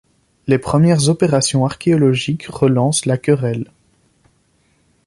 Les premières opérations archéologiques relancent la querelle.